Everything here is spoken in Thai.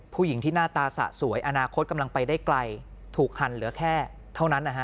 ผู้หญิงที่หน้าตาสะสวยอนาคตกำลังไปได้ไกลถูกหั่นเหลือแค่เท่านั้นนะฮะ